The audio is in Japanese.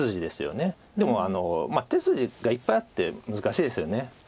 でも手筋がいっぱいあって難しいですよね。